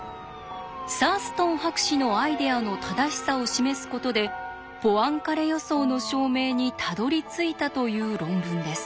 サーストン博士のアイデアの正しさを示すことでポアンカレ予想の証明にたどりついたという論文です。